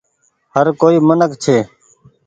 هر ڪوئي منک ڇي۔